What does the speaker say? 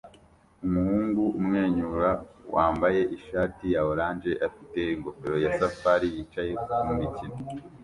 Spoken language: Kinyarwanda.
Umuhungu umwenyura wambaye ishati ya orange afite ingofero ya safari yicaye kumikino